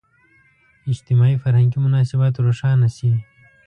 اجتماعي – فرهنګي مناسبات روښانه شي.